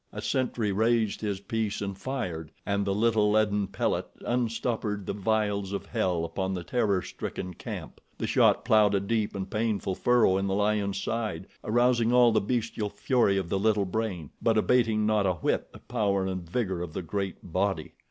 A sentry raised his piece and fired, and the little leaden pellet unstoppered the vials of hell upon the terror stricken camp. The shot ploughed a deep and painful furrow in the lion's side, arousing all the bestial fury of the little brain; but abating not a whit the power and vigor of the great body.